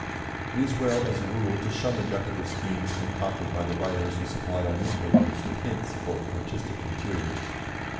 It is well, as a rule, to shun the decorative schemes concocted by the writers who supply our newspapers with hints for "artistic interiors."